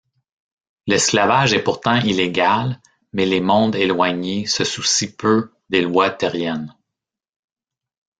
L'esclavage est pourtant illégal, mais les mondes éloignés se soucient peu des lois terriennes.